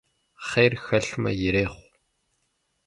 Хъер хэлъмэ, ирехъу.